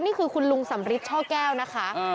นี่คือคุณลุงสำริทช่อแก้วนะคะ